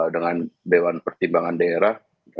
dengan dewan pertimbangan daerah